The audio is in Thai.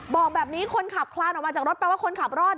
บอกแบบนี้คนขับคลานออกมาจากรถแปลว่าคนขับรอด